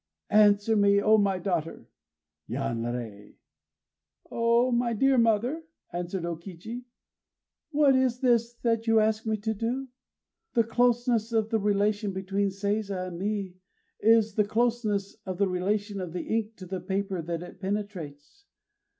answer me, O my daughter." Yanrei! "O my dear mother," answered O Kichi, "what is this that you ask me to do? The closeness of the relation between Seiza and me is the closeness of the relation of the ink to the paper that it penetrates.